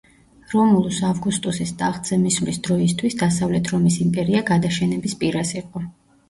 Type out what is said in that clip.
რომულუს ავგუსტუსის ტახტზე მისვლის დროისთვის დასავლეთ რომის იმპერია გადაშენების პირას იყო.